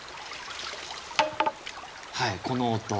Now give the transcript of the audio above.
はいこの音。